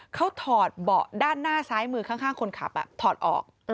เขาถอดเบาะด้านหน้าซ้ายมือข้างคนขับถอดออก